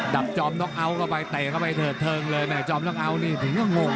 อบจอมน็อกเอาท์เข้าไปเตะเข้าไปเถิดเทิงเลยแม่จอมน้องเอาทนี่ถึงก็งง